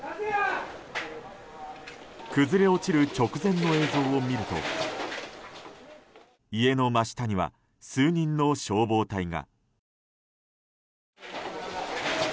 崩れ落ちる直前の映像を見ると家の真下には、数人の消防隊が。